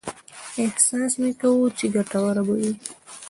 احساس مې کاوه چې ګټوره به وي.